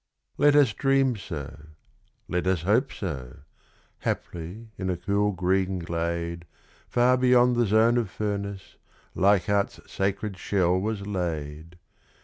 Let us dream so let us hope so! Haply in a cool green glade, Far beyond the zone of furnace, Leichhardt's sacred shell was laid!